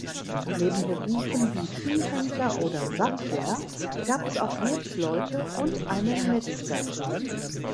Neben Berufen wie Viehhändler oder Sattler gab es auch Wirtsleute und einen Metzger.